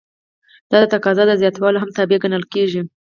دا د تقاضا د زیاتوالي هم تابع ګڼل کیږي.